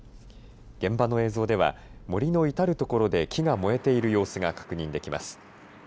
現場の映像では森の至る所で木が燃えている様子が確認できます。